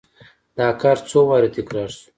دا کار څو وارې تکرار شو.